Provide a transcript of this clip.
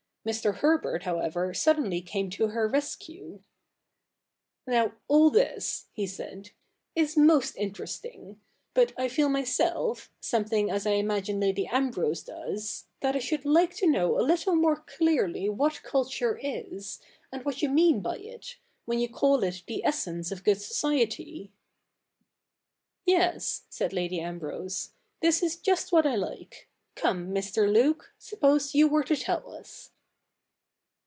Mr. Herbert however suddenly came to her rescue. 'Now, all this,' he said, "is most interesting; but I feel myself, something as I imagine Lady Ambrose does, that I should like to know a little more clearly what culture is, and what you mean by it, when you call it the essence of good society.' T26 THE NEW REPUBLIC [iiK. in 'Yes,' said Lady Ambrose, 'this is just what I Hke. Come, Mr. Luke, suppose you were to tell us.'